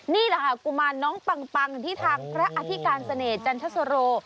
นี่แหละค่ะกุมารน้องปังที่ทางพระอธิการเสน่ห์จันทสโร